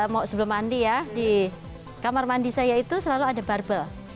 mau sebelum mandi ya di kamar mandi saya itu selalu ada barbel